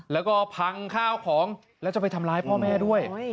แล้วก็พังข้าวของแล้วจะไปทำร้ายพ่อแม่ด้วย